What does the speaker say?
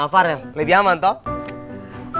farel lebih aman toh